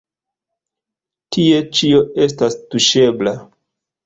Tie ĉio estas tuŝebla.